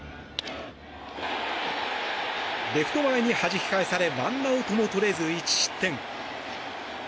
レフト前にはじき返されワンアウトも取れず１失点。